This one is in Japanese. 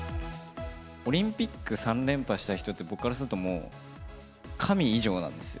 オリンピック３連覇した人って、僕からするともう、神以上なんですよ。